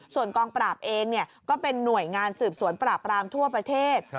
ส่วนกองปราบเองก็เป็นหน่วยงานสืบสวนปราบรามทั่วประเทศ